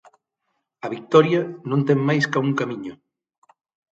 A vitoria non ten máis ca un camiño.